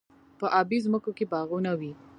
په ابی ځمکو کې باغونه وي.